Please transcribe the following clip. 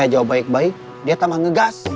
jawab baik baik dia tambah ngegas